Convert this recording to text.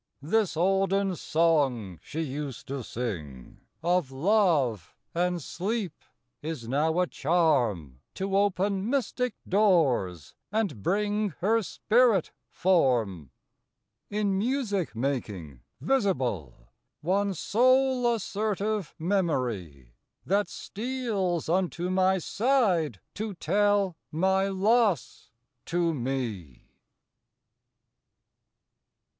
This olden song, she used to sing, Of love and sleep, is now a charm To open mystic doors and bring Her spirit form. In music making visible One soul assertive memory, That steals unto my side to tell My loss to me.